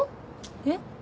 えっ？